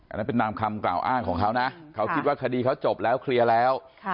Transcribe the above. อันนั้นเป็นตามคำกล่าวอ้างของเขานะเขาคิดว่าคดีเขาจบแล้วเคลียร์แล้ว